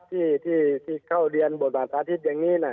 ที่เข้าเรียนบทบาทอาทิตย์อย่างนี้นะ